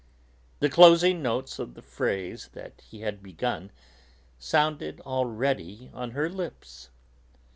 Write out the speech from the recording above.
The closing notes of the phrase that he had begun sounded already on her lips.